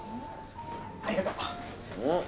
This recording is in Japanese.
ありがとう。おっ？